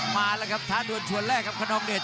มาแล้วครับทางด้านขวาแรกครับคณองเดช